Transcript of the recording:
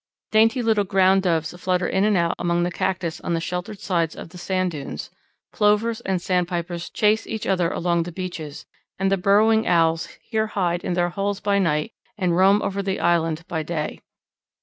Dainty little Ground Doves flutter in and out among the cactus on the sheltered sides of the sand dunes; Plovers and Sandpipers chase each other along the beaches, and the Burrowing Owls here hide in their holes by night and roam over the island by day.